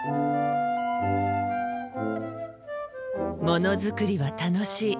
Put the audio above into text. もの作りは楽しい。